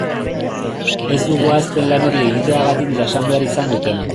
Ez dugu ahazten lan hori egiteagatik jasan behar izan dutena.